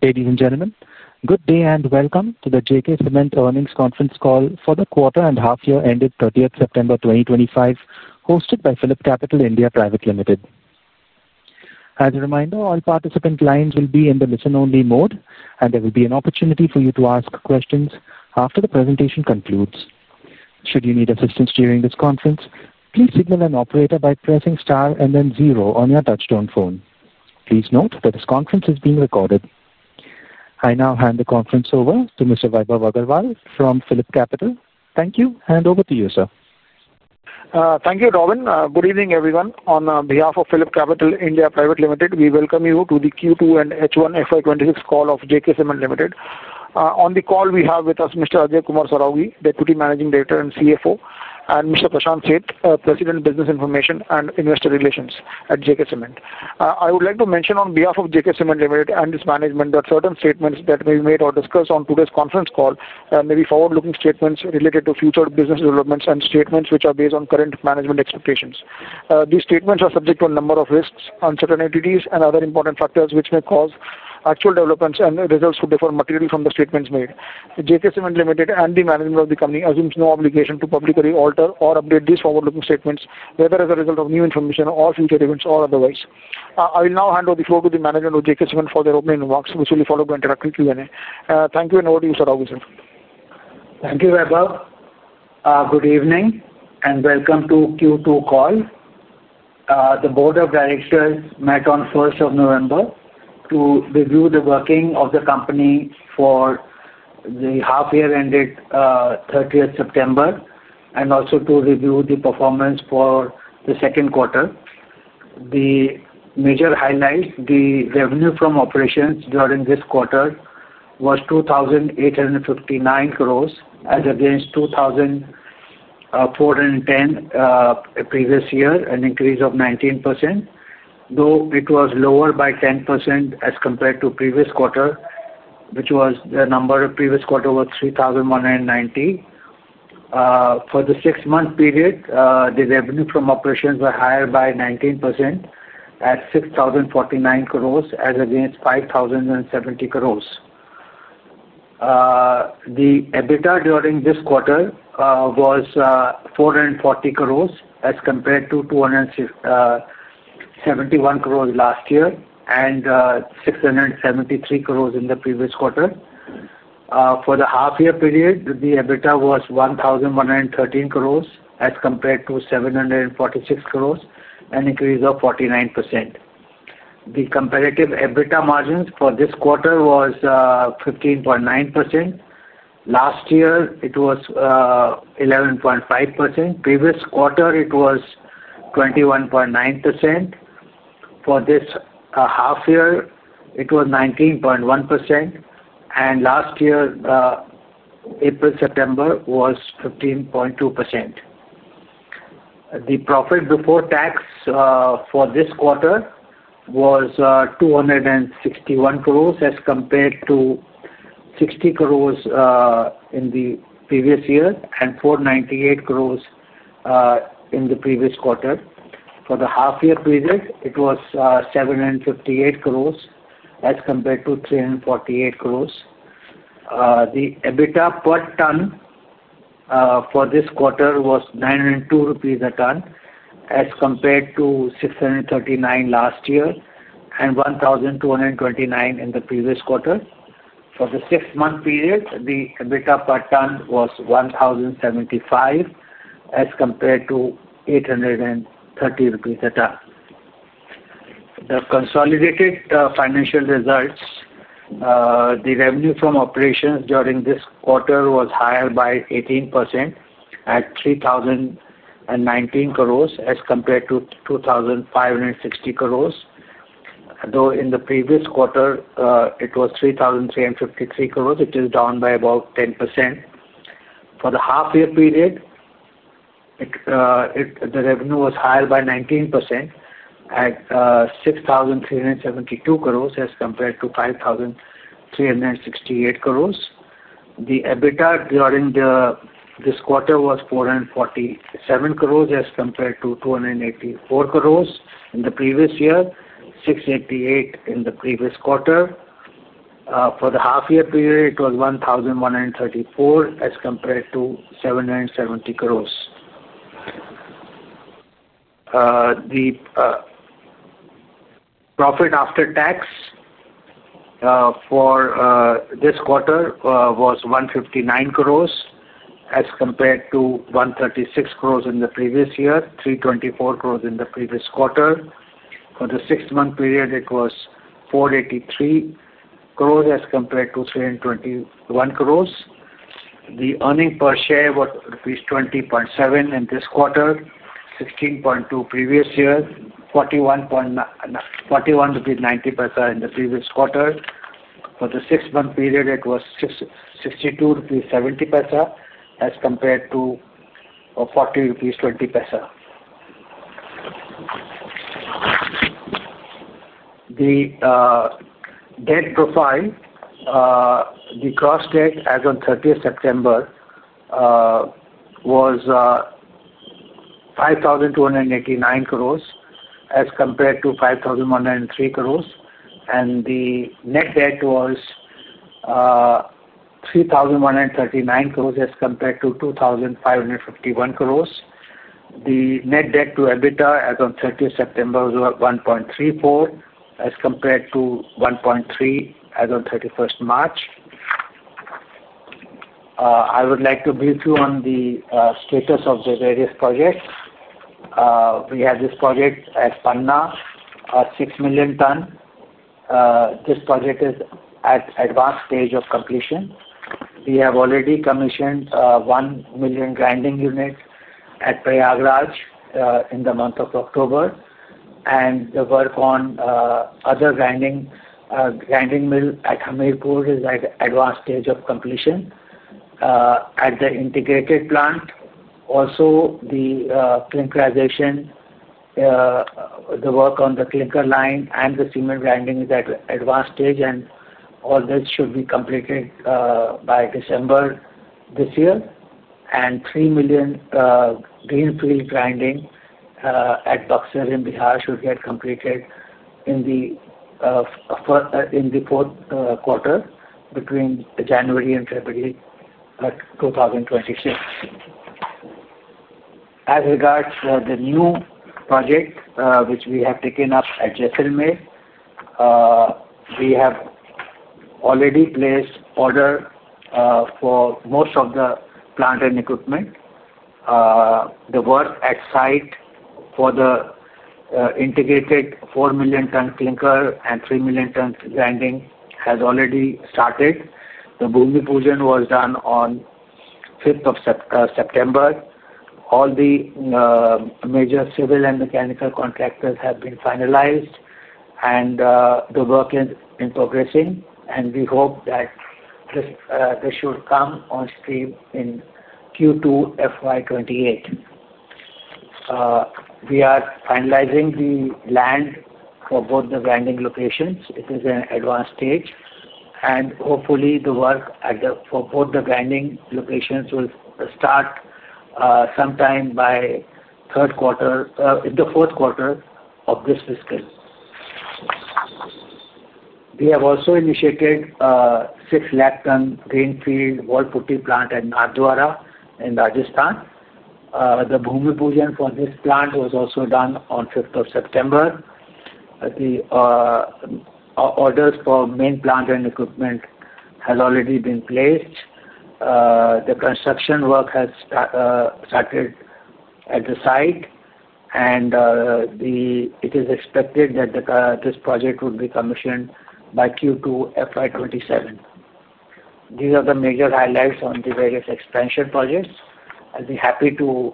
Ladies and gentlemen, good day and welcome to the J.K. Cement earnings conference call for the quarter and half-year ended 30 September 2025, hosted by PhillipCapital (India) Private Limited. As a reminder, all participant lines will be in the listen-only mode, and there will be an opportunity for you to ask questions after the presentation concludes. Should you need assistance during this conference, please signal an operator by pressing star and then zero on your touchstone phone. Please note that this conference is being recorded. I now hand the conference over to Mr. Vaibhav Agarwal from PhillipCapital (India) Private Limited. Thank you, and over to you, sir. Thank you, Darwin. Good evening, everyone. On behalf of PhillipCapital (India) Private Limited, we welcome you to the Q2 and H1 FY2026 call of J.K. Cement Ltd. On the call, we have with us Mr. Ajay Kumar Saraogi, the Deputy Managing Director and CFO, and Mr. Prashant Seth, President of Business Information and Investor Relations at J.K. Cement. I would like to mention, on behalf of J.K. Cement Ltd and its management, that certain statements that may be made or discussed on today's conference call may be forward-looking statements related to future business developments and statements which are based on current management expectations. These statements are subject to a number of risks, uncertainties, and other important factors which may cause actual developments and results to differ materially from the statements made. J.K. Cement Ltd and the management of the company assume no obligation to publicly alter or update these forward-looking statements, whether as a result of new information or future events or otherwise. I will now hand over the floor to the management of J.K. Cement for their opening remarks, which will be followed by an interactive Q&A. Thank you, and over to you, Saraogi, sir. Thank you, Vaibhav. Good evening, and welcome to the Q2 call. The Board of Directors met on 1 November to review the working of the company for the half-year ended 30 September, and also to review the performance for the second quarter. The major highlight: the revenue from operations during this quarter was 2,859 crores as against 2,410 crores previous year, an increase of 19%. Though it was lower by 10% as compared to the previous quarter, which was the number of previous quarter was 3,190 crores. For the six-month period, the revenue from operations was higher by 19% at INR 6,049crores as against 5,070 crores. The EBITDA during this quarter was 440 crores as compared to 271 crores last year and 673 crores in the previous quarter. For the half-year period, the EBITDA was 1,113 crores as compared to 746 crores, an increase of 49%. The comparative EBITDA margin for this quarter was 15.9%. Last year, it was 11.5%. Previous quarter, it was 21.9%. For this half-year, it was 19.1%. Last year April-September, it was 15.2%. The profit before tax for this quarter was 261 crores as compared to 60 crores in the previous year and 498 crores in the previous quarter. For the half-year period, it was 758 crores as compared to 348 crores. The EBITDA per ton for this quarter was 902 rupees a ton as compared to 639 last year and 1,229 in the previous quarter. For the six-month period, the EBITDA per ton was 1,075 as compared to 830 rupees a ton. The consolidated financial results: the revenue from operations during this quarter was higher by 18% at 3,019 crores as compared to 2,560 crores. Though in the previous quarter, it was 3,353 crores, it is down by about 10%. For the half-year period, the revenue was higher by 19% at 6,372 crores as compared to 5,368 crores. The EBITDA during this quarter was 447 crores as compared to 284 crores in the previous year, 688 crores in the previous quarter. For the half-year period, it was 1,134 crores as compared to INR 770 crores. The profit after tax for this quarter was 159 crores as compared to 136 crores in the previous year, 324 crores in the previous quarter. For the six-month period, it was 483 crores as compared to 321 crores. The earning per share was rupees 20.7 in this quarter, 16.2 previous year, 41.90 rupees in the previous quarter. For the six-month period, it was 62.70 rupees as compared to 40.20 rupees. The debt profile: the gross debt as of 30 September was 5,289 crores as compared to 5,103 crores, and the net debt was 3,139 crores as compared to 2,551 crores. The net debt to EBITDA as of 30 September was 1.34 as compared to 1.3 as of 31 March. I would like to brief you on the status of the various projects. We have this project at Panna, 6 million ton. This project is at advanced stage of completion. We have already commissioned 1 million grinding units at Prayagraj in the month of October, and the work on other grinding mill at Hamirpur is at advanced stage of completion. At the integrated plant also, the clinkerization. The work on the clinker line and the cement grinding is at advanced stage, and all this should be completed by December this year. And 3 million greenfield grinding at Buxar in Bihar should get completed in the fourth quarter between January and February 2026. As regards to the new project, which we have taken up at Jaisalmer, we have already placed orders for most of the plant and equipment. The work at site for the integrated 4 million ton clinker and 3 million ton grinding has already started. The Bhoomi Pujan was done on 5 September. All the major civil and mechanical contractors have been finalized, and the work is in progress, and we hope that this should come on stream in Q2 FY28. We are finalizing the land for both the grinding locations. It is in advanced stage, and hopefully, the work for both the grinding locations will start sometime by the fourth quarter of this fiscal. We have also initiated 600,000 ton greenfield wall putty plant at Nimbahera in Rajasthan. The Bhoomi Pujan for this plant was also done on 5 September. The orders for main plant and equipment have already been placed. The construction work has started at the site, and it is expected that this project will be commissioned by Q2 FY27. These are the major highlights on the various expansion projects, and we're happy to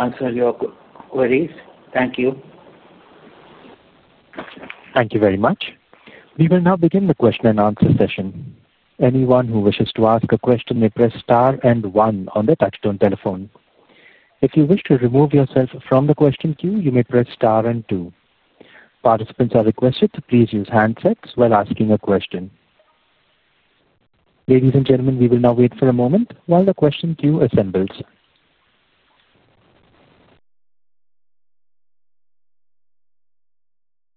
answer your queries. Thank you. Thank you very much. We will now begin the question and answer session. Anyone who wishes to ask a question may press star and one on the touchstone telephone. If you wish to remove yourself from the question queue, you may press star and two. Participants are requested to please use handsets while asking a question. Ladies and gentlemen, we will now wait for a moment while the question queue assembles.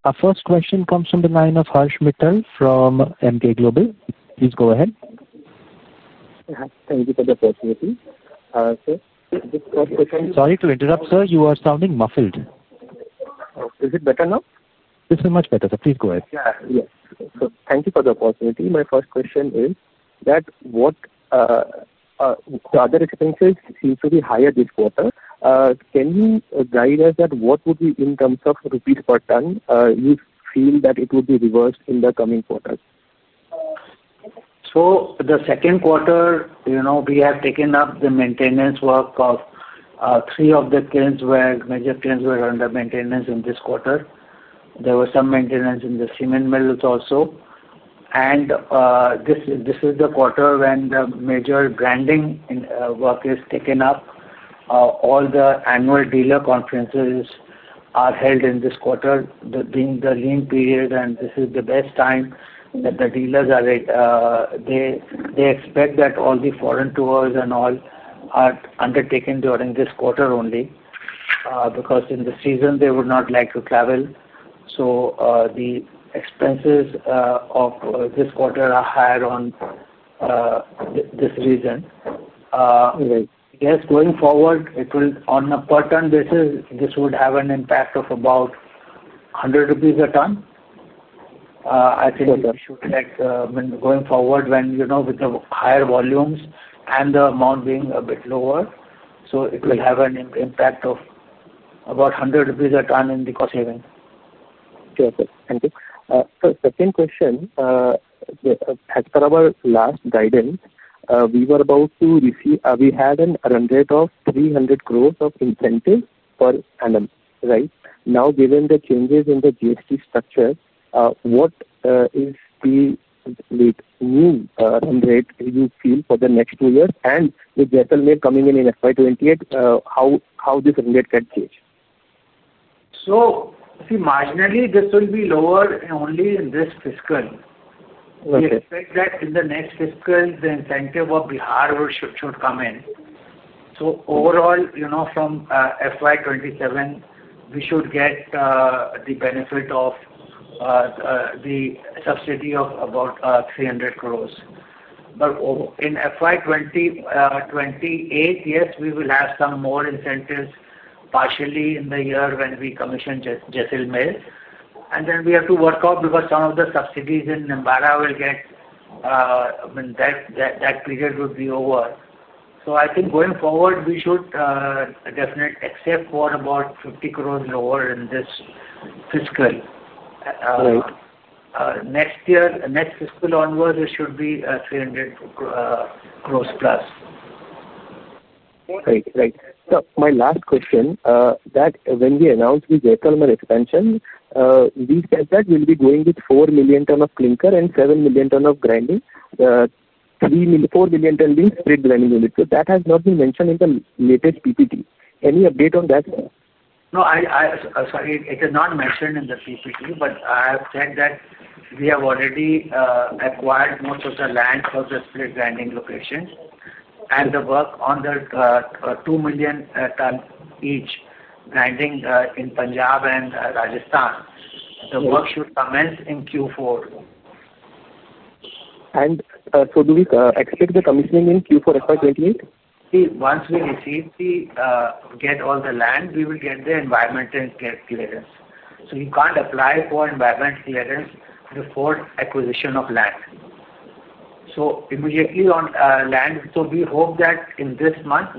Our first question comes from the line of Harsh Mittal from MK Global. Please go ahead. Thank you for the opportunity. Sorry to interrupt, sir. You are sounding muffled. Is it better now? This is much better, sir. Please go ahead. Yeah, yes. Thank you for the opportunity. My first question is that what. The other expenses seem to be higher this quarter. Can you guide us that what would be in terms of rupee per ton? You feel that it would be reversed in the coming quarter? The second quarter, we have taken up the maintenance work of three of the major plants were under maintenance in this quarter. There was some maintenance in the cement mills also. This is the quarter when the major grinding work is taken up. All the annual dealer conferences are held in this quarter, during the lean period, and this is the best time that the dealers expect that all the foreign tours and all are undertaken during this quarter only. Because in the season, they would not like to travel. The expenses of this quarter are higher on this reason. Yes, going forward, on a per ton, this would have an impact of about 100 rupees a ton. I think it should, going forward with the higher volumes and the amount being a bit lower. It will have an impact of about 100 rupees a ton in the cost saving. Thank you. Second question. At Karabar last guidance, we were about to receive, we had a run rate of 300 crores of incentive per annum, right? Now, given the changes in the GST structure, what is the new run rate you feel for the next two years? With Jaisalmer coming in in fiscal year 2028, how can this run rate change? See, marginally, this will be lower only in this fiscal. We expect that in the next fiscal, the incentive of Bihar should come in. Overall, from fiscal 2027, we should get the benefit of the subsidy of about 300 crores. In fiscal 2028, yes, we will have some more incentives partially in the year when we commission Jaisalmer. We have to work out because some of the subsidies in Nimbahera will get, that period would be over. I think going forward, we should expect about 50 crores lower in this fiscal. Next fiscal onward, it should be 300+ crores. Right, right. My last question, that when we announced the Jaisalmer expansion. We said that we'll be going with 4 million ton of clinker and 7 million ton of grinding. 4 million ton lean split grinding units. So that has not been mentioned in the latest PPT. Any update on that? No, sorry, it is not mentioned in the PPT, but I have said that we have already acquired most of the land for the split grinding locations. The work on the 2 million ton each grinding in Punjab and Rajasthan should commence in Q4. Do we expect the commissioning in Q4 FY2028? See, once we receive all the land, we will get the environmental case clearance. You can't apply for environmental clearance before acquisition of land. Immediately on land, we hope that in this month.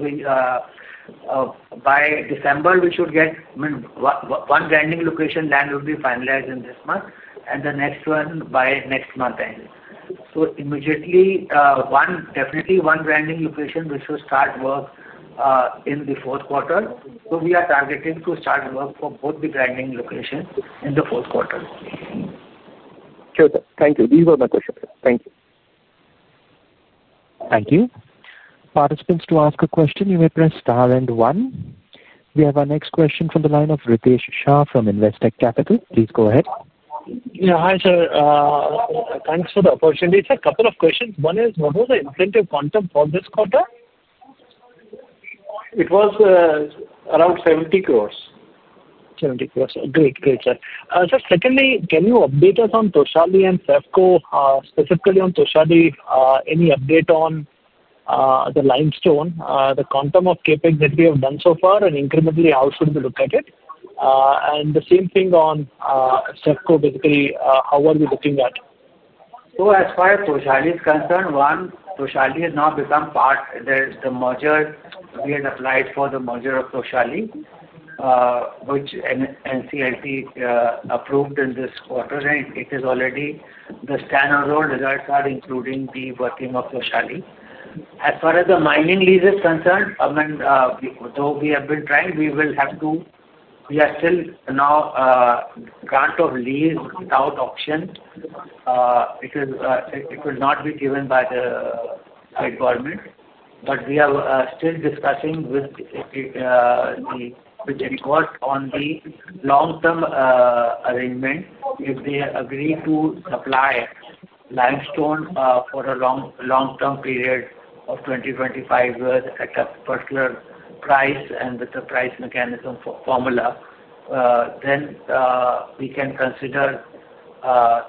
By December, we should get one grinding location land will be finalized in this month and the next one by next month. Immediately, definitely one grinding location, we should start work. In the fourth quarter, we are targeting to start work for both the grinding locations in the fourth quarter. Thank you. These were my questions. Thank you. Thank you. Participants, to ask a question, you may press star and one. We have our next question from the line of Ritesh Shah from Investec Capital. Please go ahead. Yeah, hi, sir. Thanks for the opportunity. Sir, a couple of questions. One is, what was the incentive quantum for this quarter? It was around 70 crore. Great, great, sir. Sir, secondly, can you update us on Toshali and Saifco, specifically on Toshali? Any update on the limestone, the quantum of CapEx that we have done so far and incrementally how should we look at it? And the same thing on Saifco, basically, how are we looking at? As far as Toshali is concerned, one, Toshali has now become part. The merger, we have applied for the merger of Toshali, which NCLT approved in this quarter, and it is already the standard role regarding including the working of Toshali. As far as the mining lease is concerned, though we have been trying, we will have to. We are still now. Start of lease without options. It will not be given by the state government. We are still discussing with the record on the long-term arrangement if they agree to supply limestone for a long-term period of 20-25 years at a particular price and with the price mechanism formula, then we can consider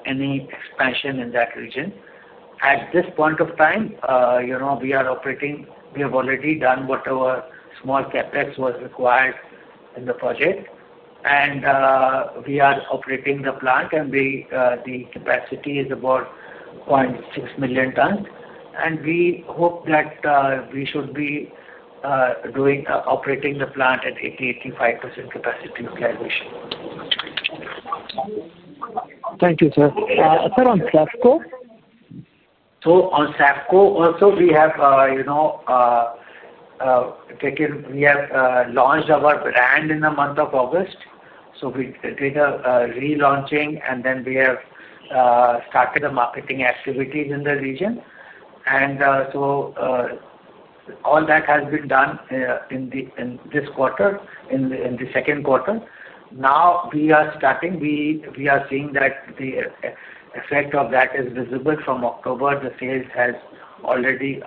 any expansion in that region. At this point of time, we are operating, we have already done whatever small CapEx was required in the project. We are operating the plant, and the capacity is about 0.6 million ton. We hope that we should be operating the plant at 80-85% capacity utilization. Thank you, sir. As far on Saifco. On Saifco, also, we have taken, we have launched our brand in the month of August. We did a relaunching, and then we have started the marketing activities in the region. All that has been done in this quarter, in the second quarter. Now we are seeing that the effect of that is visible from October. The sales has already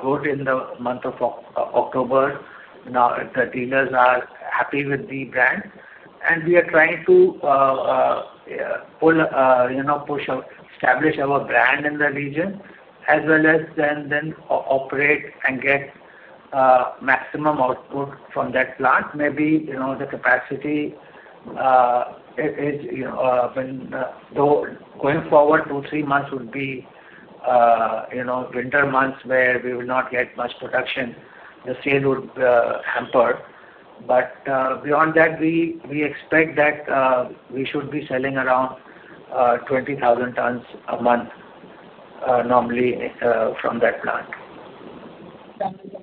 grown in the month of October. The dealers are happy with the brand. We are trying to push or establish our brand in the region, as well as then operate and get maximum output from that plant. Maybe the capacity is, going forward, two-three months would be winter months where we will not get much production. The sale would hamper. Beyond that, we expect that we should be selling around 20,000 tons a month normally from that plant. Sir,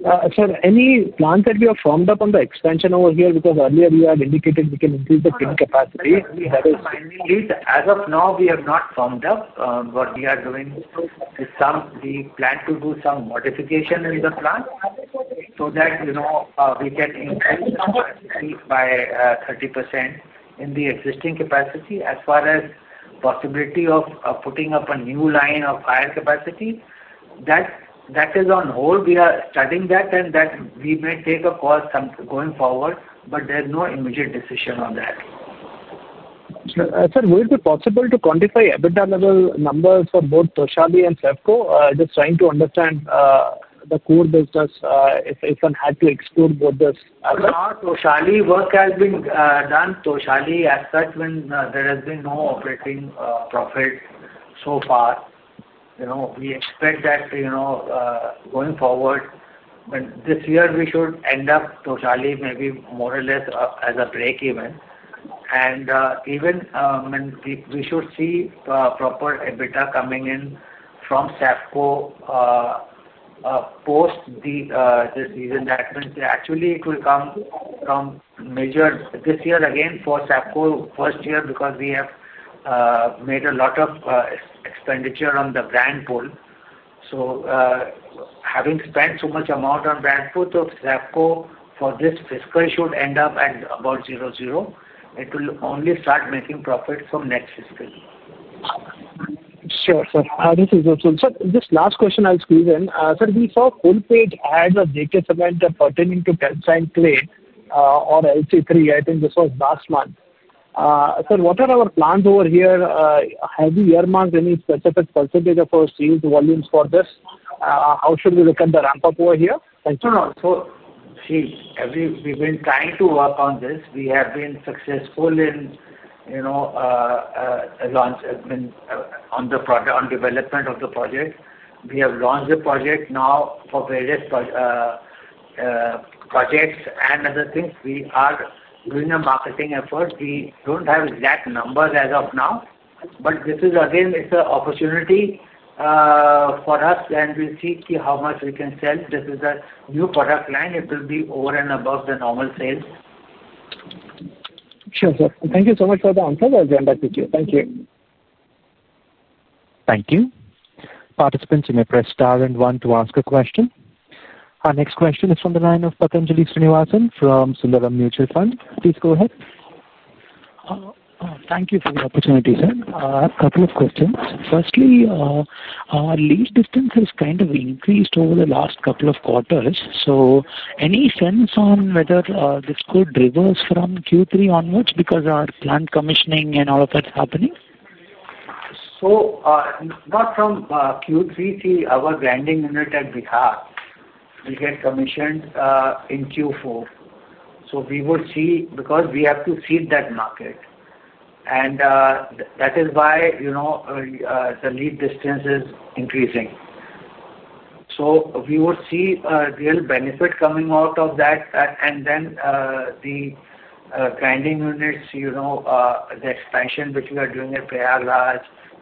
any plans that we have formed up on the expansion over here? Because earlier we had indicated we can increase the capacity. As of now, we have not firmed up, but we are going to plan to do some modification in the plant so that we can increase by 30% in the existing capacity. As far as possibility of putting up a new line of higher capacity, that is on hold. We are studying that and that we may take a call going forward, but there is no immediate decision on that. Sir, would it be possible to quantify EBITDA level numbers for both Toshali and Saifco? Just trying to understand. The core business if one had to exclude both this. No, Toshali work has been done. Toshali aspect when there has been no operating profit so far. We expect that. Going forward. This year, we should end up Toshali maybe more or less as a break even. And even. We should see proper EBITDA coming in from Saifco. Post the season that actually it will come. Major. This year again for Saifco first year because we have. Made a lot of. Expenditure on the brand pool. So. Having spent so much amount on brand pool to Saifco for this fiscal should end up at about zero zero. It will only start making profit from next fiscal. Sure, sir. This is Ritesh Shah. Sir, this last question I'll squeeze in. Sir, we saw full-page ads of JK Cement pertaining to calcite clay or LC3, I think this was last month. Sir, what are our plans over here? Have you earmarked any specific percentage of our sealed volumes for this? How should we look at the ramp-up over here? See, we've been trying to work on this. We have been successful in launch on the development of the project. We have launched the project now for various projects and other things. We are doing a marketing effort. We don't have exact numbers as of now, but this is again, it's an opportunity for us, and we'll see how much we can send. This is a new product line. It will be over and above the normal sales. Sure, sir. Thank you so much for the answers. I'll be on that with you. Thank you. Thank you. Participants, you may press star and one to ask a question. Our next question is from the line of Pathanjali Srinivasan from Sundaram Mutual Fund. Please go ahead. Thank you for the opportunity, sir. I have a couple of questions. Firstly, our lease distance has kind of increased over the last couple of quarters. So any sense on whether this could reverse from Q3 onwards because our plant commissioning and all of that's happening? Not from Q3. See, our grinding unit at Bihar will get commissioned in Q4. We would see, because we have to seed that market, and that is why the lead distance is increasing. We would see a real benefit coming out of that. The grinding units, the expansion which we are doing in Prayagraj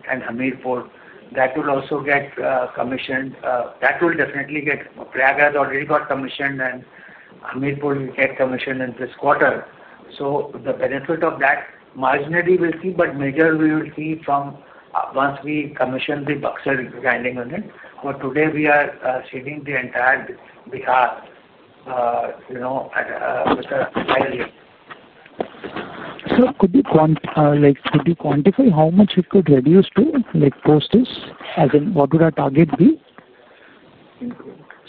and Hamirpur, that will also get commissioned. Prayagraj already got commissioned and Hamirpur will get commissioned in this quarter. The benefit of that marginally we will see, but major we will see once we commission the Buxar grinding unit. Today we are seeding the entire Bihar with a five year. Sir, could you quantify how much it could reduce the cost? As in what would our target be?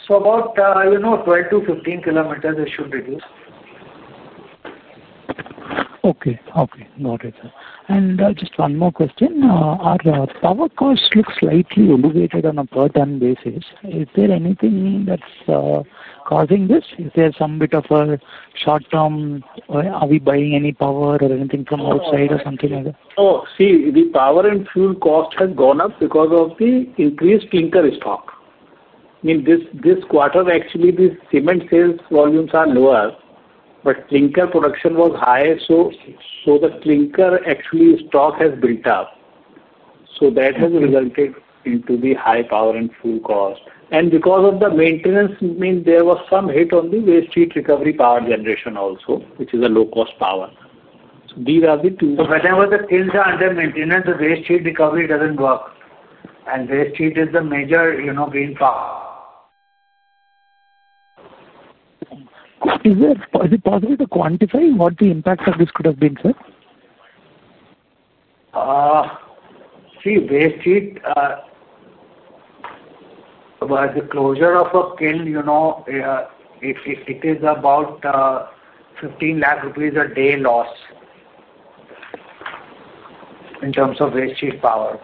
About 12-15 km it should reduce. Okay, okay. Got it, sir. Just one more question. Our power costs look slightly elevated on a per ton basis. Is there anything that's causing this? Is there some bit of a short from. Are we buying any power or anything from outside or something like that? No, see, the power and fuel cost has gone up because of the increased clinker stock. In this quarter, actually, the cement sales volumes are lower, but clinker production was higher. So the clinker actually stock has built up. That has resulted into the high power and fuel cost. Because of the maintenance, I mean, there was some hit on the waste heat recovery power generation also, which is a low-cost power. These are the two. Whenever the things are under maintenance, the waste heat recovery does not work. Waste heat is the major game for. Is it possible to quantify what the impacts of this could have been, sir? See, waste heat. By the closure of a kiln. It is about 1,500,000 rupees a day loss. In terms of waste heat power.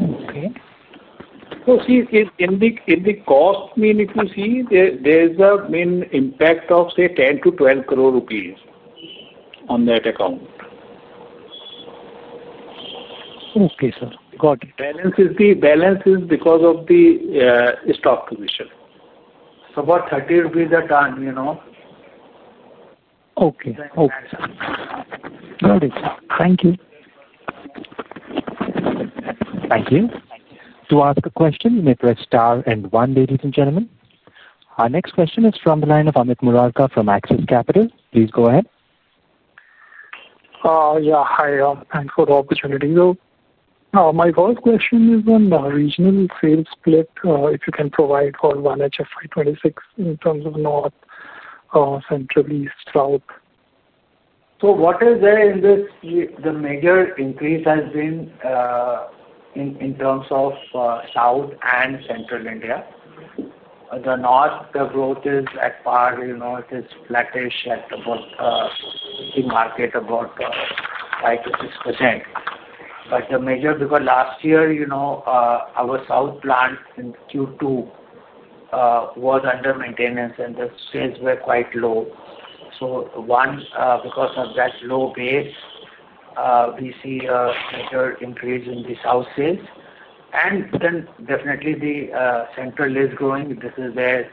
Okay. See, in the cost, I mean, if you see, there is a main impact of, say, 10 crore-12 crore rupees. On that account. Okay, sir. Got it. Balance is because of the stock position. It's about INR 30 a ton. Okay, okay. Got it, sir. Thank you. Thank you. To ask a question, you may press star and one, ladies and gentlemen. Our next question is from the line of Amit Murarka from Axis Capital. Please go ahead. Yeah, hi. Thanks for the opportunity. My first question is on the regional sales split, if you can provide for 1HF 2026 in terms of north, central, east, south. What is there in this? The major increase has been in terms of south and central India. The north, the growth is at par. North is flattish at about the market, about 5%-6%. The major, because last year our south plant in Q2 was under maintenance and the sales were quite low. One, because of that low base, we see a major increase in the south sales. Then definitely the central is growing. This is where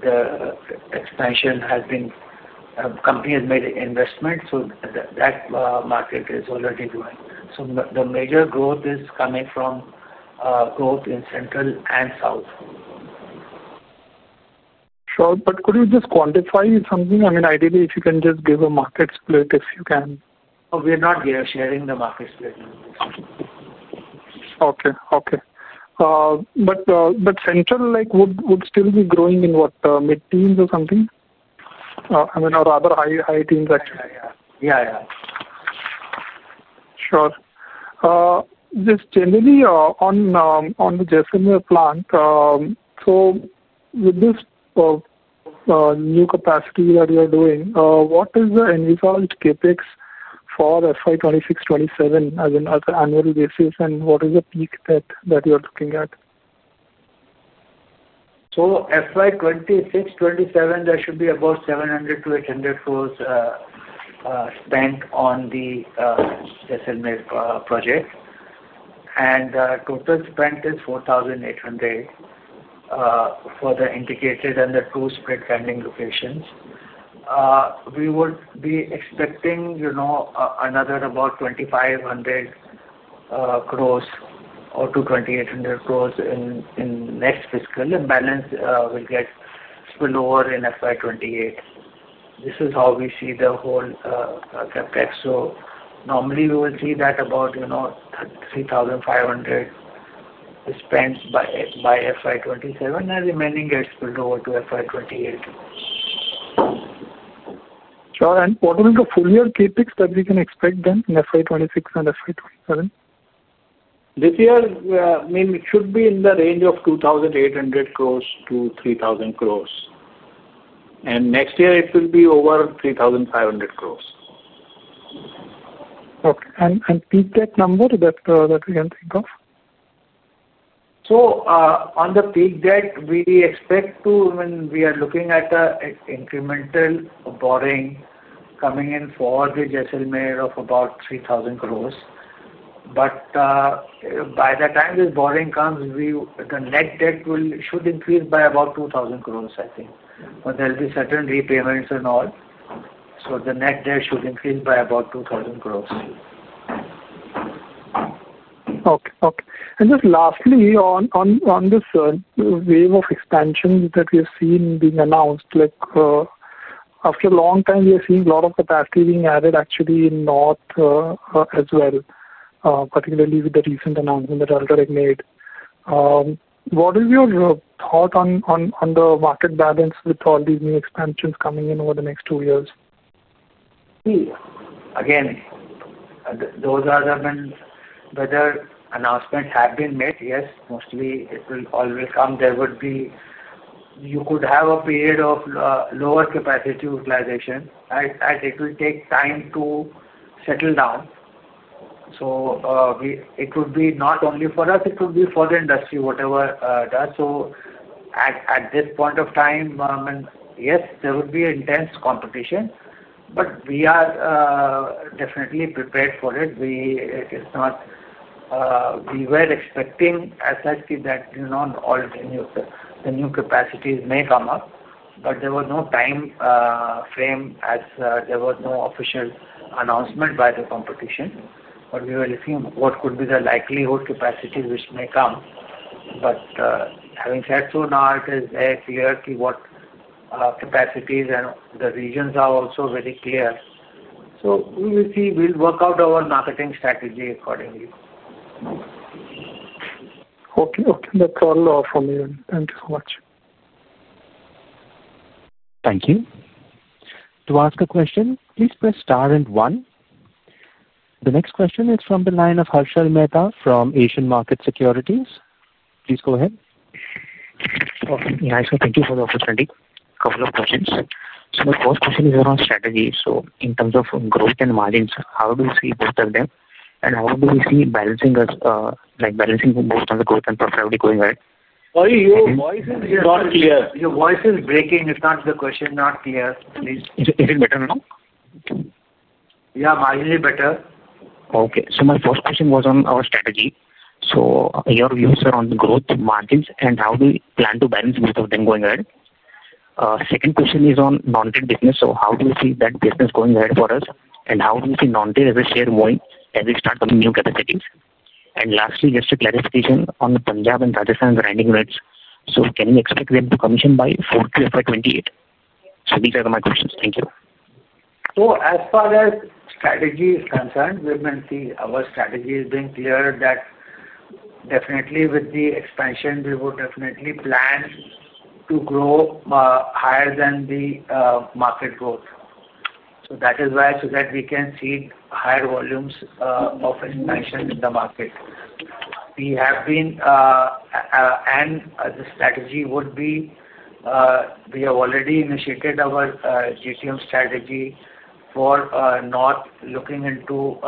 the expansion has been. The company has made investment, so that market is already growing. The major growth is coming from growth in central and south. Sir, but could you just quantify something? I mean, ideally, if you can just give a market split, if you can. We're not here sharing the market split. Okay, okay. Central would still be growing in what, mid-teens or something? I mean, or other high teens actually. Yeah, yeah. Sure. Just generally on the Jaisalmer plant. With this new capacity that you are doing, what is the end result CapEx for FY 2026-2027 as an annual release? What is the peak that you are looking at? SY2627, there should be about 700 crore-800 crore spent on the Jaisalmer project. Total spent is 4,800 crore for the integrated and the two split grinding locations. We would be expecting another about 2,500 crore-2,800 crore in the next fiscal, and balance will get split over in FY2028. This is how we see the whole CapEx. Normally, we will see that about 3,500 crore spent by FY2027 and remaining gets split over to FY2028. Sir, and what are the full year CapEx that we can expect then in FY 2026 and FY 2027? This year, I mean, it should be in the range of 28 billion-30 billion. And next year, it will be over 3,500 crore. Okay. Peak debt number that we can think of? On the peak debt, we expect to, when we are looking at incremental borrowing coming in for the Jaisalmer project of about 3,000 crore. By the time this borrowing comes, the net debt should increase by about 2,000 crore, I think. There will be certain repayments and all. The net debt should increase by about 2,000 crore. Okay, okay. Just lastly, on this wave of expansion that you've seen being announced. After a long time, we are seeing a lot of capacity being added actually in north as well, particularly with the recent announcement that Alkar had made. What is your thought on the market balance with all these new expansions coming in over the next two years? See, again, those are the ones where announcements have been made. Yes, mostly it will always come. There would be, you could have a period of lower capacity utilization. It will take time to settle down. It would be not only for us, it would be for the industry, whatever it does. At this point of time, I mean, yes, there would be intense competition, but we are definitely prepared for it. It is not, we were expecting as such that the new capacities may come up, but there was no timeframe as there was no official announcement by the competition. We were looking at what could be the likely capacity which may come. Having said so, now it is very clear what capacities and the regions are also very clear. We will see. We'll work out our marketing strategy accordingly. Okay, okay. That's all from me. Thank you so much. Thank you. To ask a question, please press star and one. The next question is from the line of Harshal Mehta from Asian Markets Securities. Please go ahead. Yeah, sir, thank you for the opportunity. A couple of questions. My first question is around strategy. In terms of growth and margins, how do we see better than? How do we see balancing, both on the growth and profitability going ahead? Your voice is not clear. Your voice is breaking. It's not the question. Not clear. Is it better now? Yeah, margins are better. Okay. My first question was on our strategy. Your views are on the growth margins and how do we plan to balance both of them going ahead? Second question is on non-trade business. How do we see that business going ahead for us? How do we see non-trade as a share moving as we start some new capacities? Lastly, just a clarification on Punjab and Rajasthan grinding units. Can we expect them to commission by fiscal year 2028? These are my questions. Thank you. As far as strategy is concerned, we have been seeing our strategy has been clear that definitely with the expansion, we would definitely plan to grow higher than the market growth. That is why, so that we can see higher volumes of expansion in the market. We have been, and the strategy would be, we have already initiated our JCM strategy for North looking into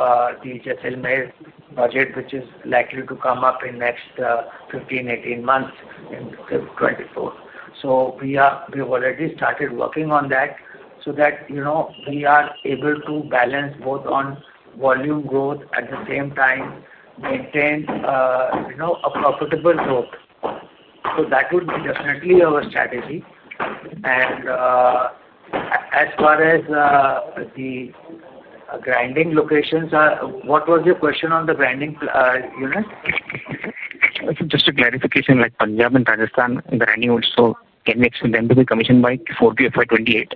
the Jaisalmer budget, which is likely to come up in the next 15-18 months in 2024. We have already started working on that so that we are able to balance both on volume growth and at the same time, maintain a profitable growth. That would be definitely our strategy. As far as the grinding locations, what was your question on the grinding units? Just a clarification, like Punjab and Rajasthan grinding units, so can we expect them to be commissioned by FY 2028?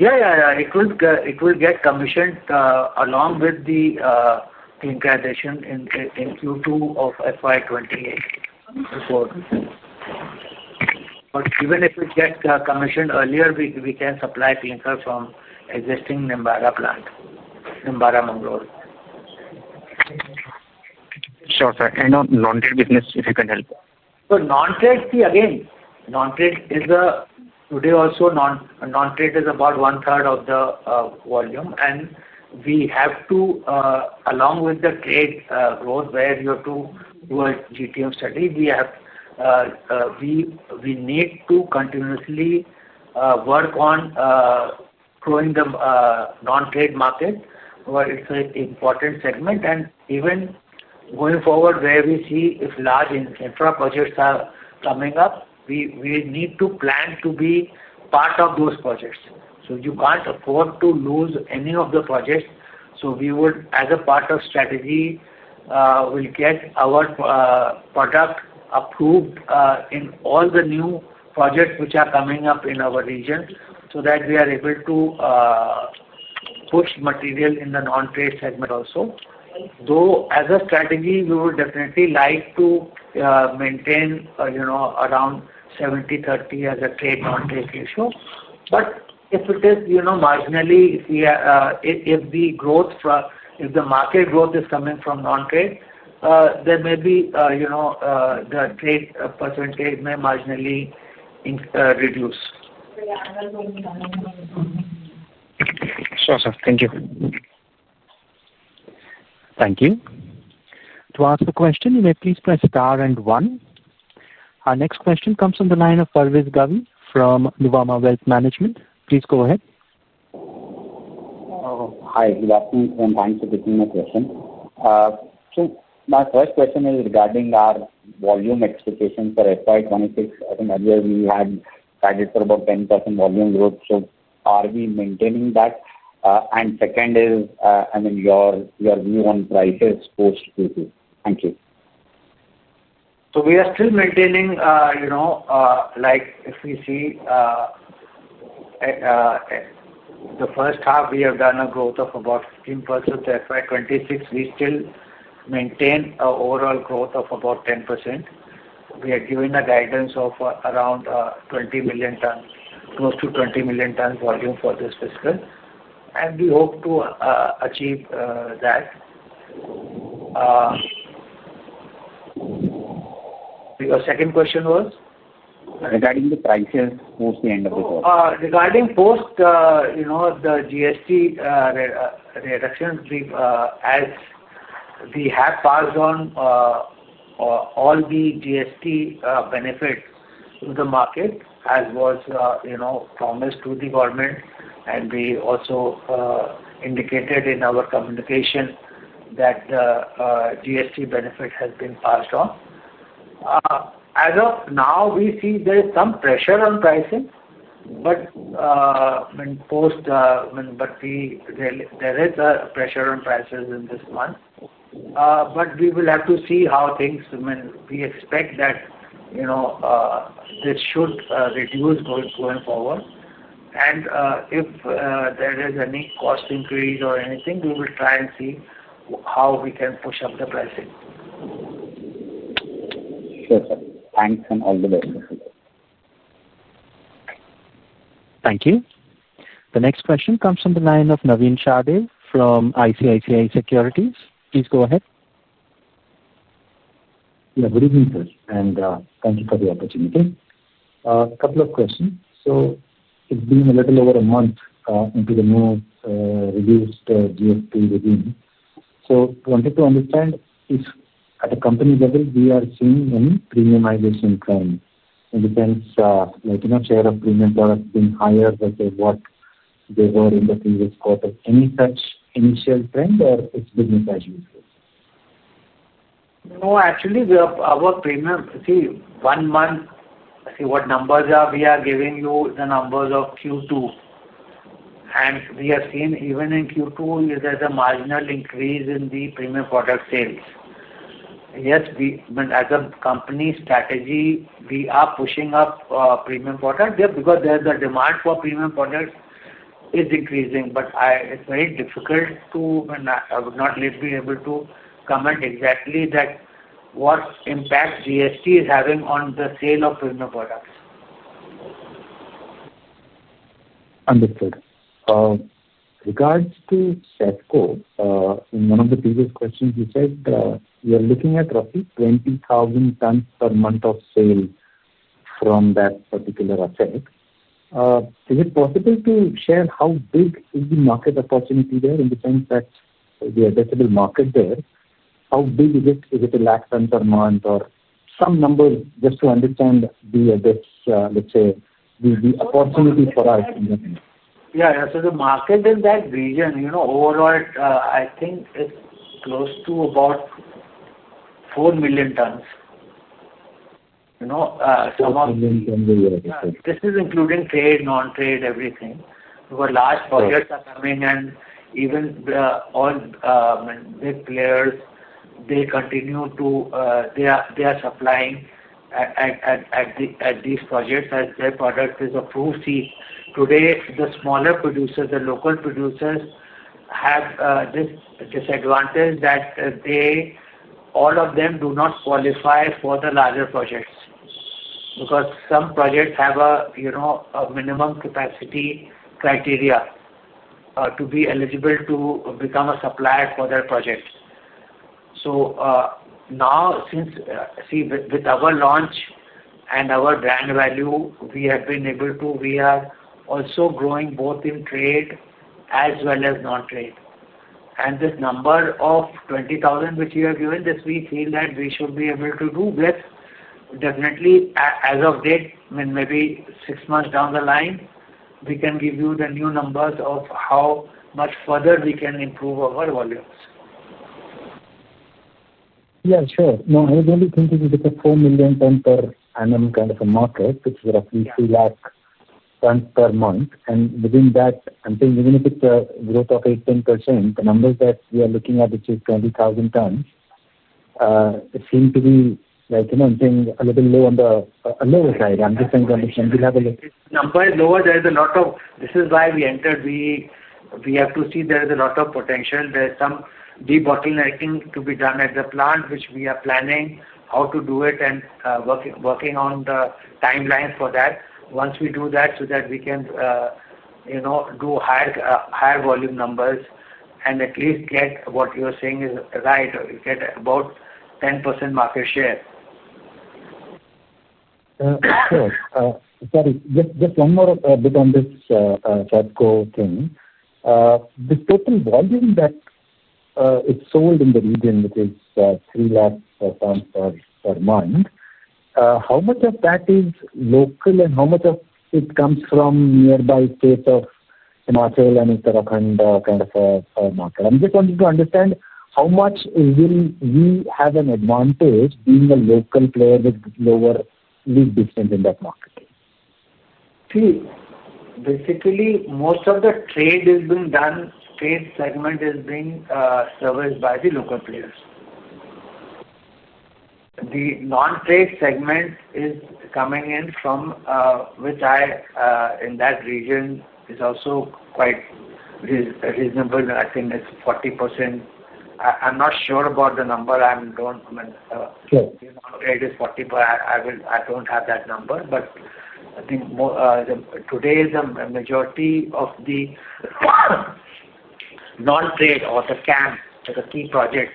Yeah, yeah. It will get commissioned along with the clinkerization in Q2 of FY2028. Even if it gets commissioned earlier, we can supply clinker from the existing Nimbahera plant. Nimbahera, Mangalore. Sure, sir. On non-trade business, if you can help. Non-trade, see, again, non-trade is, today also, non-trade is about one-third of the volume. We have to, along with the trade growth where you have to do a JCM strategy, we need to continuously work on growing the non-trade market, where it is an important segment. Even going forward, where we see if large infra projects are coming up, we need to plan to be part of those projects. You cannot afford to lose any of the projects. We would, as a part of strategy, get our product approved in all the new projects which are coming up in our region so that we are able to put material in the non-trade segment also. Though as a strategy, we would definitely like to maintain around 70-30 as a trade non-trade ratio, but if it is marginally, if the growth, if the market growth is coming from non-trade, there may be, the trade percentage may marginally reduce. Sure, sir. Thank you. Thank you. To ask a question, you may please press star and one. Our next question comes from the line of Parvez Qazi from Nuvama Wealth Management. Please go ahead. Hi, good afternoon. And thanks for taking my question. My first question is regarding our volume expectation for FY2026. As I said, we had targeted for about 10% volume growth. Are we maintaining that? Second is, I mean, your view on prices post Q2. Thank you. We are still maintaining. Like if we see, the first half, we have done a growth of about 15%. FY 2026, we still maintain an overall growth of about 10%. We are giving a guidance of around close to 20 million tons volume for this fiscal. We hope to achieve that. Your second question was? Regarding the prices post the end of the quarter. Regarding post the GST reduction, as we have passed on all the GST benefits to the market as was promised to the government, and we also indicated in our communication that GST benefit has been passed on. As of now, we see there is some pressure on pricing. There is a pressure on prices in this month. We will have to see how things, I mean, we expect that this should reduce going forward. If there is any cost increase or anything, we will try and see how we can push up the pricing. Sure. Thanks and all the best. Thank you. The next question comes from the line of Navin Sahadeo from ICICI Securities. Please go ahead. Yeah, good evening, sir. Thank you for the opportunity. A couple of questions. It's been a little over a month into the new reduced GLP within. I wanted to understand if at a company level we are seeing any premiumization trend, and if that's making a share of premium product being higher than what they were in the previous quarter. Any such initial trend, or it's been the size of itself? No, actually, our premium, see, one month, see what numbers are we are giving you, the numbers of Q2. We have seen even in Q2, there is a marginal increase in the premium product sales. Yet, as a company strategy, we are pushing up premium products because the demand for premium products is increasing. It is very difficult to, I mean, I would not be able to comment exactly that. What impact GST is having on the sale of premium products. Understood. Regards to Saifco, one of the previous questions, you said you are looking at roughly 20,000 tons per month of sale from that particular asset. Is it possible to share how big is the market opportunity there in the sense that the adjustable market there, how big is it? Is it a lakh tons per month or some number just to understand the, let's say, the opportunity for us in that sense? Yeah, yeah. The market in that region, overall, I think it's close to about 4 million tons. 4 million tons, yeah. This is including trade, non-trade, everything. Large projects are coming and even all players, they continue to supply at these projects as their product is approved. See, today, the smaller producers, the local producers, have this disadvantage that all of them do not qualify for the larger projects because some projects have a minimum capacity criteria to be eligible to become a supplier for their projects. Now, since, see, with our launch and our brand value, we have been able to, we are also growing both in trade as well as non-trade. This number of 20,000 which you have given, this we feel that we should be able to do. Definitely, as of date, I mean, maybe six months down the line, we can give you the new numbers of how much further we can improve our volumes. Yeah, sure. No, I was only thinking if we get 4 million tons per annum kind of a market, which is roughly 300,000 tons per month. And within that, I'm thinking even if it's a growth of 18%, the numbers that we are looking at, which is 20,000 tons. It seems to be like, I'm saying a little low on the lower side. I'm just saying that if we have a little bit number is lower, there is a lot of, this is why we entered. We have to see there is a lot of potential, there is some debottlenecking to be done at the plant, which we are planning how to do it and working on the timeline for that. Once we do that so that we can. Do higher volume numbers and at least get what you are saying is right, get about 10% market share. Sure. Just one more bit on this Saifco thing. The total volume that it's sold in the region, which is 300,000 tons per month. How much of that is local and how much of it comes from nearby states of Himachal and Uttarakhand kind of a market? I'm just wanting to understand how much we have an advantage in the local players with lower lead distance in that market. See, basically, most of the trade has been done, trade segment has been serviced by the local players. The non-trade segment is coming in from. Which I. In that region is also quite. Reasonable. I think it's 40%. I'm not sure about the number. I mean. Sure. It is 40, but I don't have that number. I think today's majority of the non-trade or the schemes, the key projects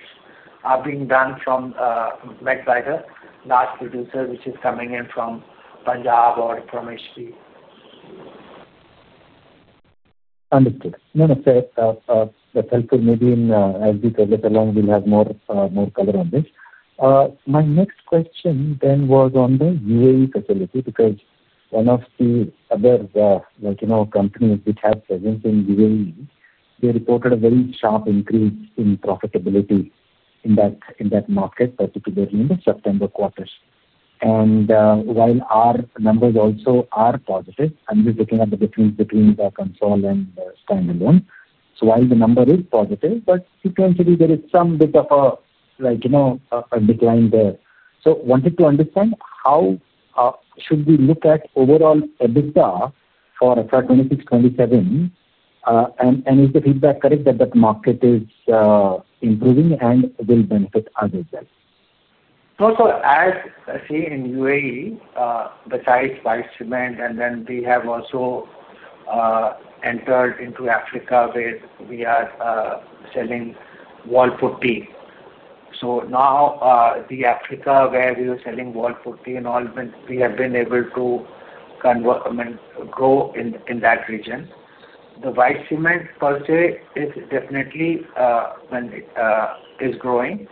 are being done from, made by the large producers, which is coming in from Punjab or Pramesh Street. Understood. No, no, sir. That's helpful. Maybe as we progress along, we'll have more color on this. My next question then was on the UAE facility because one of the other companies which have presence in UAE, they reported a very sharp increase in profitability in that market, particularly in the September quarters. And while our numbers also are positive, I'm just looking at the difference between the console and standalone. So while the number is positive, but sequentially, there is some bit of a decline. I wanted to understand how should we look at overall EBITDA for FY2026-2027. And is the feedback correct that that market is improving and will benefit others as well? As I see in UAE, besides Wisecement, we have also entered into Africa where we are selling wall putty. Now, in Africa where we are selling wall putty and all, we have been able to go in that region. The Wisecement per se is definitely growing.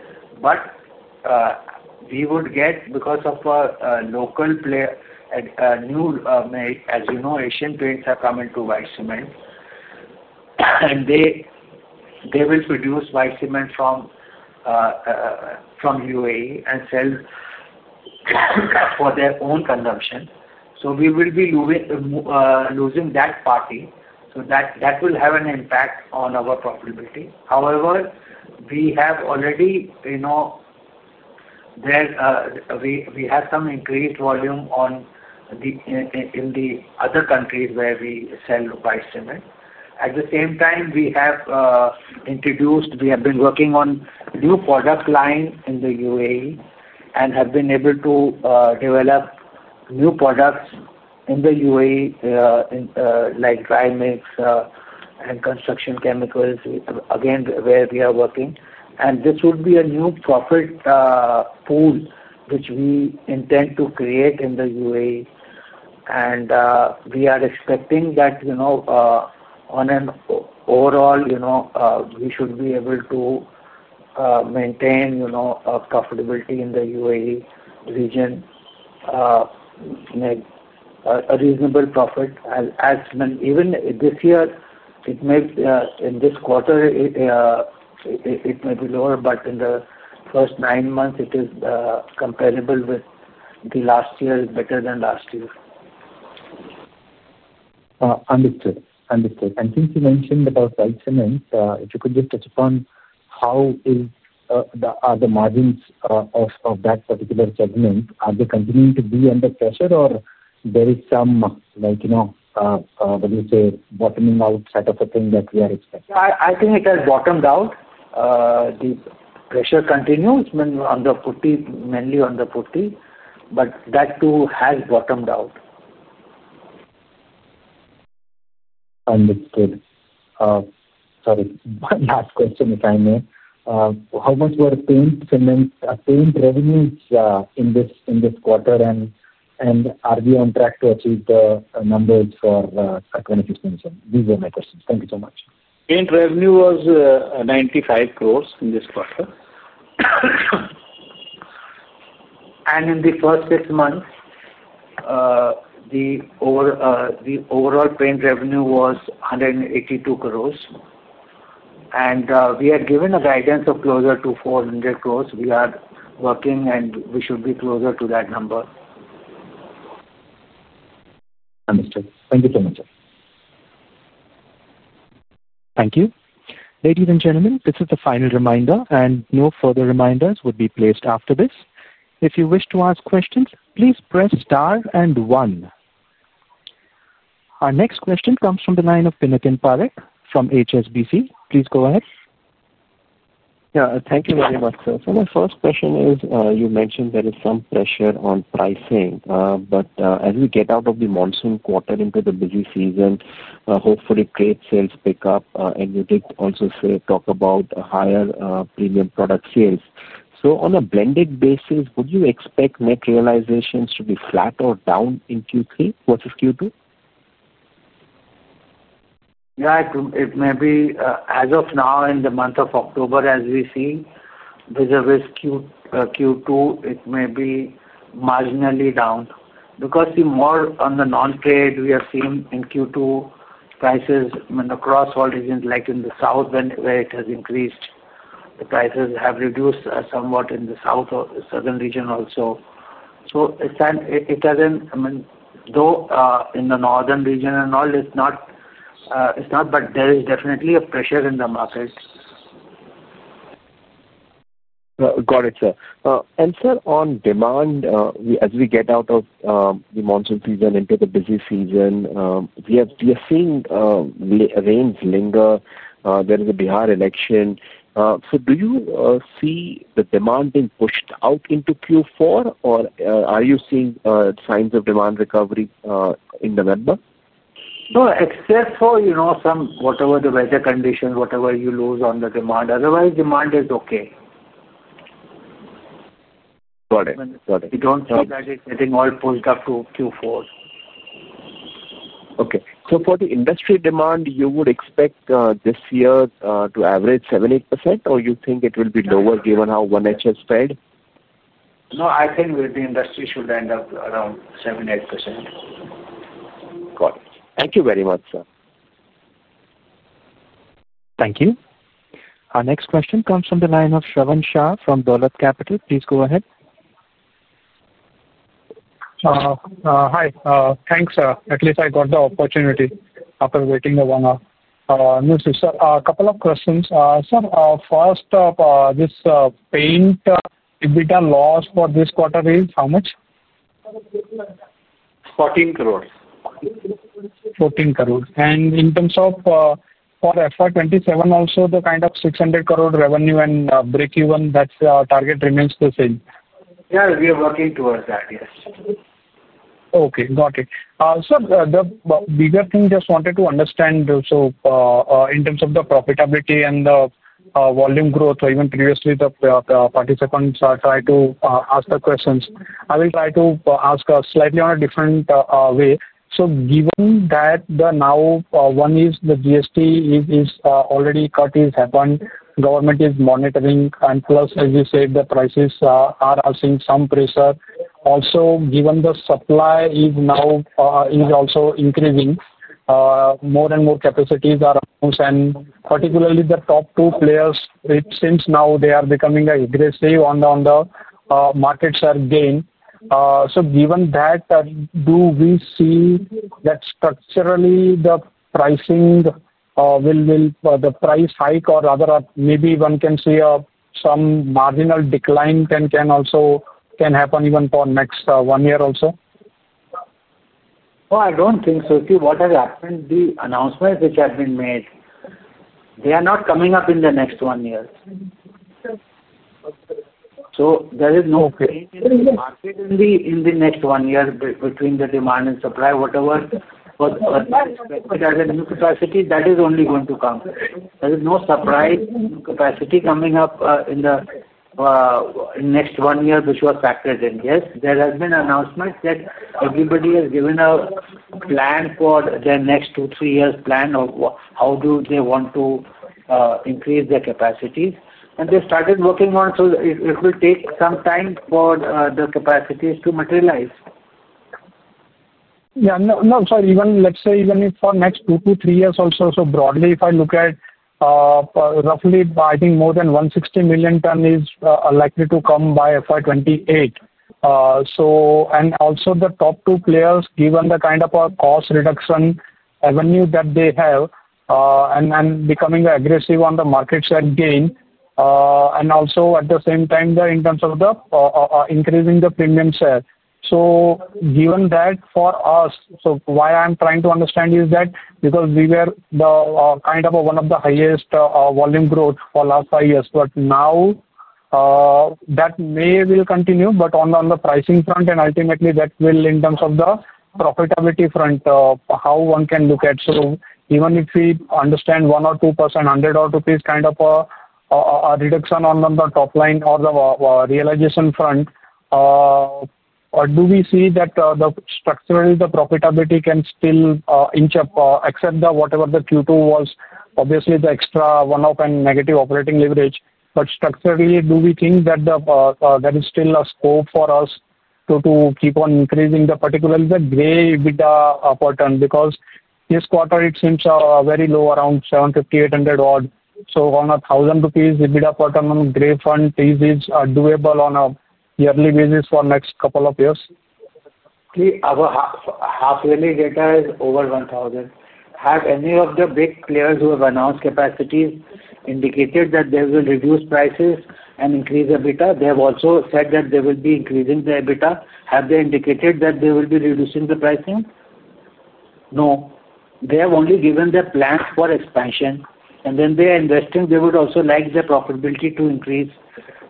We would get, because of a local player, as you know, Asian Paints have come into Wisecement, and they will produce Wisecement from UAE and sell for their own consumption. We will be using that party, so that will have an impact on our profitability. However, we have already seen some increased volume in the other countries where we sell Wisecement. At the same time, we have introduced, we have been working on a new product line in the UAE and have been able to develop new products in the UAE, like dry mix and construction chemicals, again, where we are working. This would be a new profit pool which we intend to create in the UAE. We are expecting that, on an overall basis, we should be able to maintain profitability in the UAE region. A reasonable profit, even this year. It may, in this quarter, be lower, but in the first nine months, it is comparable with last year, better than last year. Understood. Understood. Since you mentioned about Wisecement, if you could just touch upon how. Are the margins of that particular segment? Are they continuing to be under pressure or there is some. What do you say, bottoming out side of the thing that we are expecting? I think it has bottomed out. The pressure continues mainly on the 40, but that too has bottomed out. Understood. Sorry. One last question, if I may. How much were paint revenues in this quarter, and are we on track to achieve the numbers for 2027? These are my questions. Thank you so much. Paint revenue was 95 crores in this quarter. In the first six months, the overall paint revenue was 1,820 crores. We are given a guidance of closer to 400 crores. We are working, and we should be closer to that number. Understood. Thank you so much, sir. Thank you. Ladies and gentlemen, this is the final reminder, and no further reminders will be placed after this. If you wish to ask questions, please press star and one. Our next question comes from the line of Pinakin Parekh from HSBC. Please go ahead. Yeah, thank you very much, sir. My first question is, you mentioned there is some pressure on pricing, but as we get out of the monsoon quarter into the busy season, hopefully trade sales pick up, and you did also talk about higher premium product sales. On a blended basis, would you expect net realizations to be flat or down in Q3 versus Q2? Yeah, it may be, as of now, in the month of October, as we see, with respect to Q2, it may be marginally down. Because more on the non-trade, we are seeing in Q2 prices, I mean, across all regions, like in the south, where it has increased, the prices have reduced somewhat in the south or southern region also. It hasn't, I mean, though in the northern region and all, it's not. There is definitely a pressure in the market. Got it, sir. And sir, on demand, as we get out of the monsoon season into the busy season, we have seen. Rains linger. There is a Bihar election. Do you see the demand being pushed out into Q4, or are you seeing signs of demand recovery in November? No, except for whatever the weather conditions, whatever you lose on the demand. Otherwise, demand is okay. Got it. Got it. We don't see that it's getting all pulled up to Q4. Okay. So for the industry demand, you would expect this year to average 7%-8%, or you think it will be lower given how 1H has fed? No, I think the industry should end up around 7%-8%. Got it. Thank you very much, sir. Thank you. Our next question comes from the line of Shravan Shah from Dolat Capital. Please go ahead. Hi. Thanks, sir. At least I got the opportunity after waiting a while. Sir, a couple of questions. Sir, first of all, this paint, if we can loss for this quarter, is how much? 14 crores. 14 crores. In terms of, for FY 2027 also, the kind of 600 crore revenue and break even, that target remains the same? Yeah, we are working towards that, yes. Okay. Got it. Sir, the bigger thing just wanted to understand, so in terms of the profitability and the volume growth, or even previously, the participants try to ask the questions. I will try to ask slightly in a different way. Given that now one is the GST is already cut in, government is monitoring, and plus, as you said, the prices are seeing some pressure. Also, given the supply is now also increasing. More and more capacities are announced, and particularly the top two players, it seems now they are becoming aggressive on the market share gain. Given that, do we see that structurally the pricing, will the price hike or rather maybe one can see some marginal decline can also happen even for next one year also? No, I don't think so. See, what has happened, the announcements which have been made, they are not coming up in the next one year. There is no market in the next one year between the demand and supply, whatever. The capacity, that is only going to come. There is no surprise capacity coming up in the next one year, which was factored in. Yes, there have been announcements that everybody has given a plan for their next two, three years' plan of how do they want to increase their capacities. They started working on, so it will take some time for the capacities to materialize. Yeah. No, I'm sorry. Let's say even for next two, two, three years also, so broadly, if I look at. Roughly, I think more than 160 million ton is likely to come by FY2028. Also, the top two players, given the kind of a cost reduction revenue that they have, and becoming aggressive on the market share gain, and also, at the same time, they're in terms of increasing the premium share. Given that for us, so why I'm trying to understand is that because we were kind of one of the highest volume growth for last five years. Now, that may will continue, but on the pricing front, and ultimately, that will in terms of the profitability front, how one can look at. Even if we understand 1% or 2%, 100 kind of a reduction on the top line or the realization front, or do we see that structurally, the profitability can still. Except whatever the Q2 was, obviously the extra one-off and negative operating leverage. Structurally, do we think that there is still a scope for us to keep on increasing, particularly the grey EBITDA per ton? Because this quarter, it seems very low, around 750 crore-800 crore. On a 1,000 rupees EBITDA per ton on grey fund, is it doable on a yearly basis for the next couple of years? See, half of any data is over 1,000. Have any of the big players who have announced capacities indicated that they will reduce prices and increase EBITDA? They have also said that they will be increasing their EBITDA. Have they indicated that they will be reducing the pricing? No. They have only given their plans for expansion. When they are investing, they would also like the profitability to increase.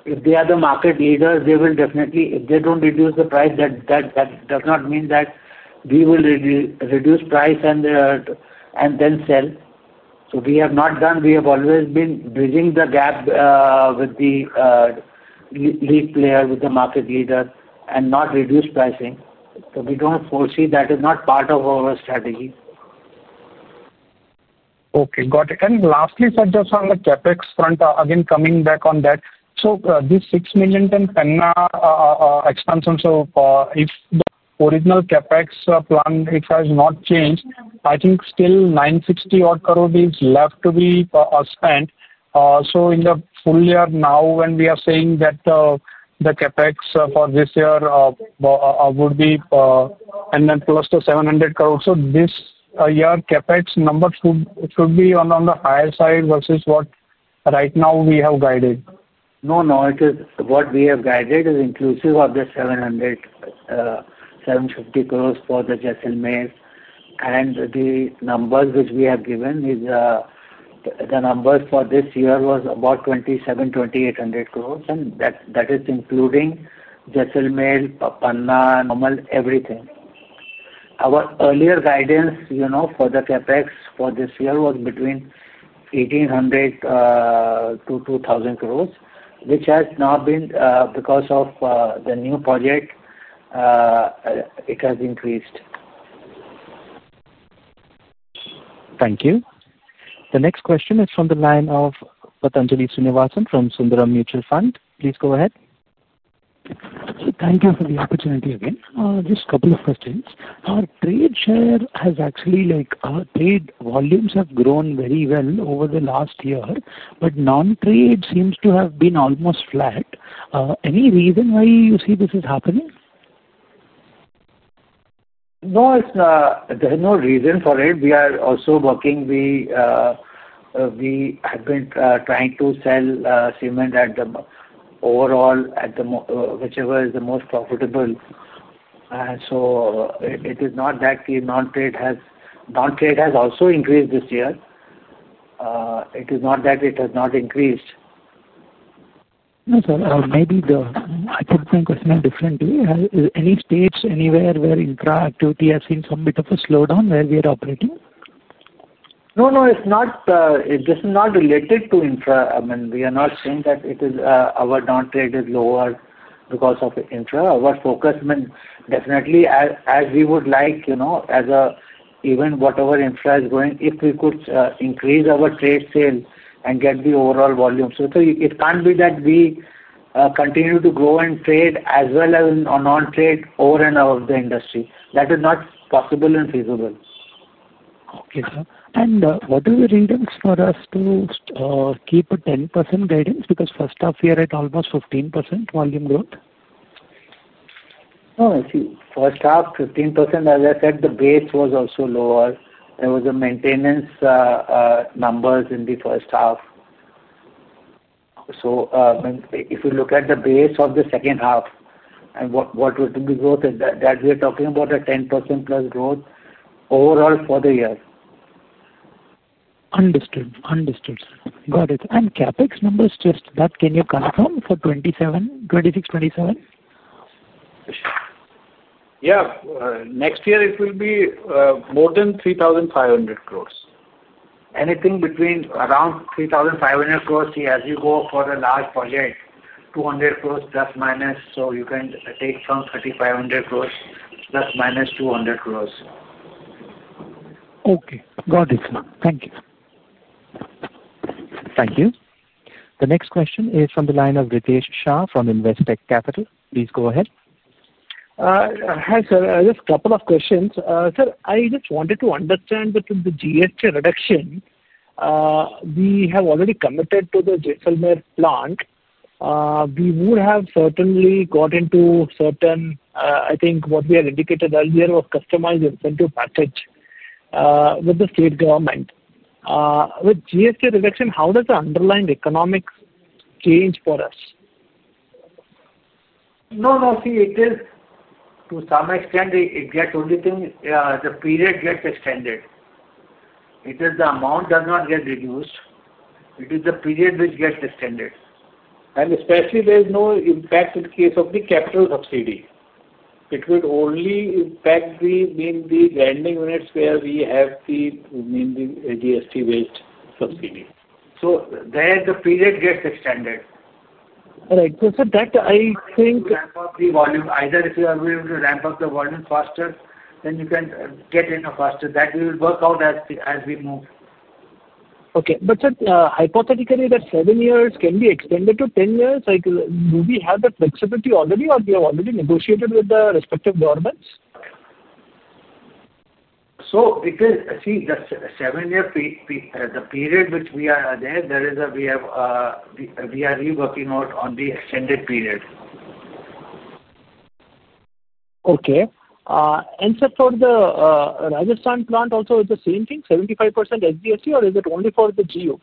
If they are the market leader, they will definitely, if they do not reduce the price, that does not mean that we will reduce price and then sell. We have not done that. We have always been bridging the gap with the lead player, with the market leader, and not reduce pricing. We do not foresee that is not part of our strategy. Okay. Got it. Lastly, sir, just on the CapEx front, again, coming back on that. This 6 million ton Karnataka expansion, if the original CapEx plan has not changed, I think still 960 crores is left to be spent. In the full year now, when we are saying that the CapEx for this year would be close to 700 crores, this year CapEx number should be on the higher side versus what right now we have guided? No, no. What we have guided is inclusive of the 700 crores-750 crores for the Jaisalmer. And the number which we have given is, the number for this year was about 2,700 crores-2,800 crores. And that is including Jaisalmer, Karnataka, and normal everything. Our earlier guidance for the CapEx for this year was between INR 1,800 crores-2,000 crores, which has now been, because of the new project, it has increased. Thank you. The next question is from the line of Pathanjali Srinivasan from Sundaram Mutual Fund. Please go ahead. Thank you for the opportunity again. Just a couple of questions. Our trade share has actually, our trade volumes have grown very well over the last year, but non-trade seems to have been almost flat. Any reason why you see this is happening? No, there's no reason for it. We are also working. We have been trying to sell cement overall at whichever is the most profitable. It is not that the non-trade has also increased this year. It is not that it has not increased. Yes, sir. Maybe I put my question differently. Any states anywhere where infra activity has seen some bit of a slowdown where we are operating? No, no, it's not. This is not related to infra. I mean, we are not saying that our non-trade is lower because of infra. Our focus, I mean, definitely, as we would like, as even whatever infra is going, if we could increase our trade sales and get the overall volume. It can't be that we continue to grow in trade as well as non-trade over and out of the industry. That is not possible and feasible. Okay, sir. What are the reasons for us to keep a 10% guidance? Because first half, we are at almost 15% volume growth. Oh, I see. First half, 15%, as I said, the base was also lower. There was a maintenance. Numbers in the first half. If you look at the base of the second half and what would be the growth, we are talking about a 10%+ growth overall for the year. Understood. Understood. Got it. CapEx numbers, just that, can you confirm for 2026, 2027? Yeah. Next year, it will be more than 3,500 crore. Anything between around 3,500 crore, see, as you go for a large project, 200 crore plus minus, so you can take from 3,500 crore plus minus 200 crores. Okay. Got it, sir. Thank you. Thank you. The next question is from the line of Ritesh Shah from Investec Capital. Please go ahead. Hi, sir. Just a couple of questions. Sir, I just wanted to understand that with the GST reduction. We have already committed to the Jaisalmer plant. We would have certainly got into certain, I think, what we had indicated earlier of customized incentive package. With the state government. With GST reduction, how does the underlying economics change for us? No, no, see, it is. To some extent, it gets, only thing, the period gets extended. It is the amount that does not get reduced. It is the period which gets extended. Especially, there is no impact in the case of the capital subsidy. It would only impact the landing rates where we have the GST-based subsidy. The period gets extended. Right. So that, I think. Ramp up the volume. Either if you are willing to ramp up the volume faster, then you can get it faster. That we will work out as we move. Okay. Sir, hypothetically, that seven years can be extended to 10 years? Do we have that flexibility already, or we have already negotiated with the respective governments? It is, see, the seven-year period which we are there, we are re-working on the extended period. Okay. And sir, for the Rajasthan plant also, is it the same thing, 75% SGST, or is it only for the GU?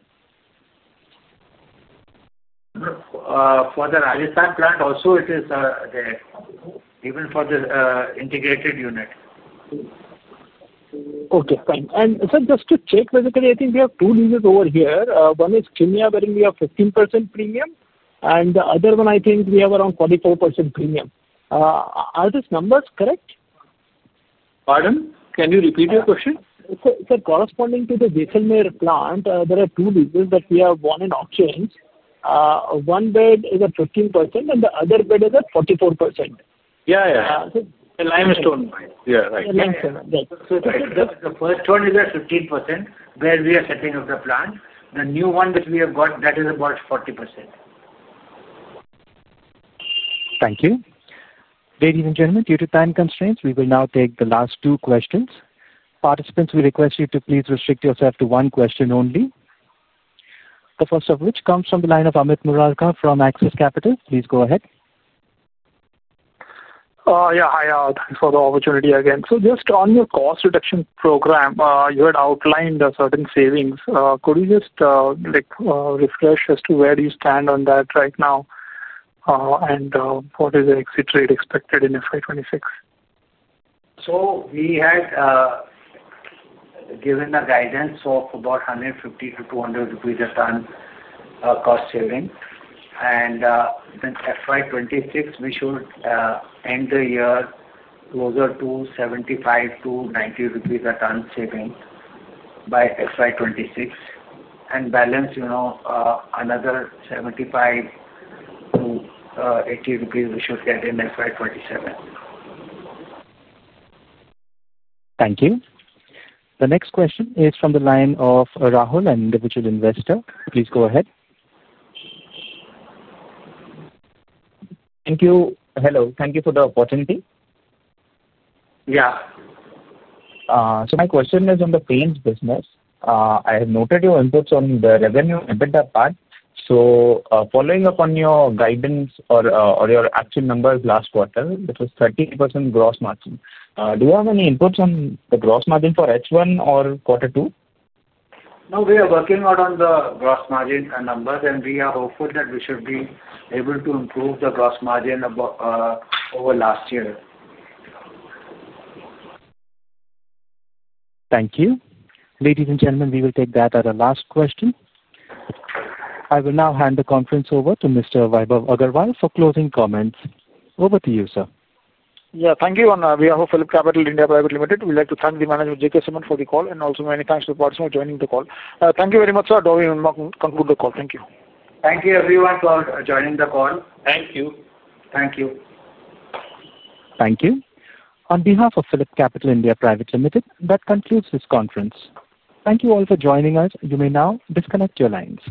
For the Rajasthan plant also, it is. Even for the integrated unit. Okay. Fine. And sir, just to check, basically, I think we have two leases over here. One is Kenya, wherein we have 15% premium. And the other one, I think we have around 44% premium. Are these numbers correct? Pardon? Can you repeat your question? Sir, corresponding to the Jaisalmer plant, there are two leases that we have won in auctions. One bed is at 15%, and the other bed is at 44%. Yeah, yeah. The limestone. Yeah, right. Yeah, yeah. The first one is at 15%, where we are setting up the plant. The new one that we have got, that is about 40%. Thank you. Ladies and gentlemen, due to time constraints, we will now take the last two questions. Participants, we request you to please restrict yourself to one question only. The first of which comes from the line of Amit Murarkar from Axis Capital. Please go ahead. Oh, yeah, hi, for the opportunity again. Just on your cost reduction program, you had outlined certain savings. Could you just refresh as to where you stand on that right now? What is the exit rate expected in FY2026? We had given the guidance of about 150 crores-200 crores rupees a ton cost saving. In FY 2026, we should end the year closer to 75 crores-90 crores rupees a ton saving by FY 2026, and balance another 75 crores-80 crores rupees, which was set in FY 2027. Thank you. The next question is from the line of Rahul, an individual investor. Please go ahead. Thank you. Hello. Thank you for the opportunity. Yeah. My question is on the paints business. I have noted your inputs on the revenue EBITDA part. Following up on your guidance or your action numbers last quarter, it was 30% gross margin. Do you have any inputs on the gross margin for H1 or quarter two? No, we are working out on the gross margin numbers, and we are hopeful that we should be able to improve the gross margin over last year. Thank you. Ladies and gentlemen, we will take that as the last question. I will now hand the conference over to Mr. Vaibhav Agarwal for closing comments. Over to you, sir. Yeah, thank you. We are PhillipCapital (India) Private Limited. We'd like to thank the manager, J.K. Cement, for the call, and also many thanks to the partners for joining the call. Thank you very much, sir. I'll conclude the call. Thank you. Thank you, everyone, for joining the call. Thank you. Thank you. On behalf of PhillipCapital (India) Private Limited, that concludes this conference. Thank you all for joining us. You may now disconnect your lines.